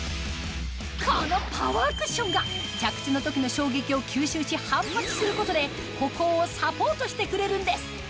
このパワークッションが着地の時の衝撃を吸収し反発することで歩行をサポートしてくれるんです